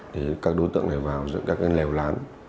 thì các đối tượng này vào dựng các cái lèo lán